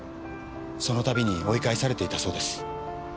そのたびに追い返されていたそうです。